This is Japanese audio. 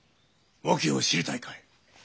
訳を知りたいかい？